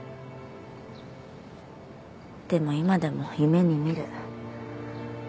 でも今でも夢に見る。